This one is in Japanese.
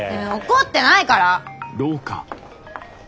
怒ってないから！